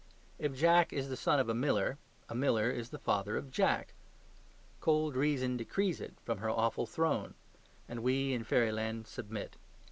If Jack is the son of a miller, a miller is the father of Jack. Cold reason decrees it from her awful throne: and we in fairyland submit.